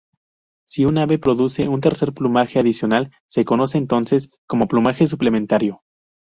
Si un ave produce un tercer plumaje adicional, se conoce entonces como plumaje suplementario.